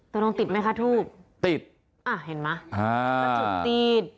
ตรงติดไหมคะทูบติดอ่ะเห็นมั้ยมันจุดติด